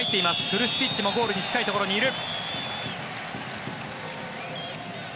フルスティッチもゴールに近いところにいる。